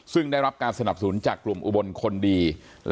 ซึ่งได้รับการสนับสนุนจากกลุ่มอุบลคนดี